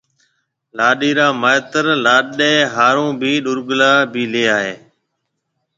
لاڏيِ را مائيتر لاڏيِ هارون ٻي ڏورگلا بي ليَ هيَ۔